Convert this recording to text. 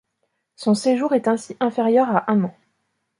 Son séjour est ainsi inférieur à un an.